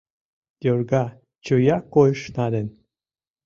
Йорга, чоя койышна ден